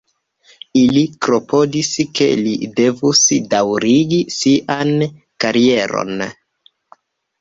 Ili klopodis ke li devus daŭrigi sian karieron.